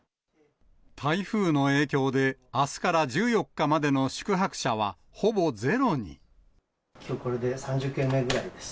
台風の影響で、あすから１４きょう、これで３０件目ぐらいです。